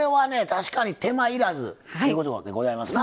確かに手間いらずということでございますな。